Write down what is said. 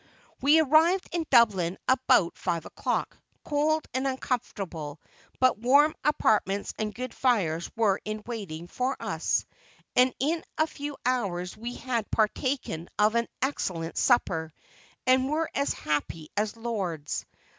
We arrived in Dublin about five o'clock, cold and uncomfortable; but warm apartments and good fires were in waiting for us, and in a few hours we had partaken of an excellent supper, and were as happy as lords.